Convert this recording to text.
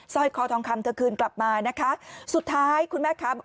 ร้อยคอทองคำเธอคืนกลับมานะคะสุดท้ายคุณแม่ค้าบอก